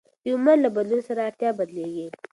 د عمر له بدلون سره اړتیا بدلېږي.